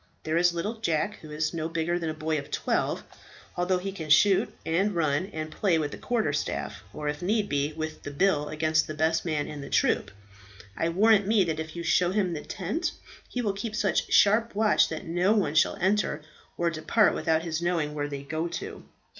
There is little Jack, who is no bigger than a boy of twelve, although he can shoot, and run, and play with the quarter staff, or, if need be, with the bill, against the best man in the troop. I warrant me that if you show him the tent, he will keep such sharp watch that no one shall enter or depart without his knowing where they go to.